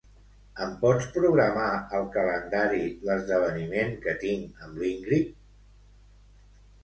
Em pots programar al calendari l'esdeveniment que tinc amb la Ingrid?